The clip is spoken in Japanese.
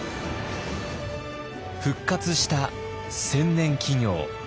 復活した千年企業。